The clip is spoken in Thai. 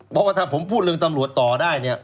เพราะว่าถ้าผมพูดเรื่องตำรวจต่อได้เนี่ย